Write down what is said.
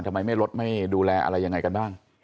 ทำไมไม่ลดไม่ดูแลอะไรยังไงกันบ้าง